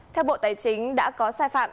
theo bộ tài chính đã có sai phạm